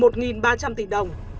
một ba trăm linh tỷ đồng